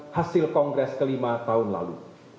hasil kongres kelima tahun lalu